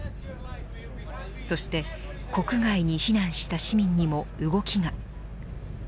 そして国外に避難した市民にも動きが。